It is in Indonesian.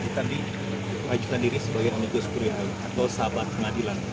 tadi pak jufan diris rakyat aminus kurihayu atau sahabat pengadilan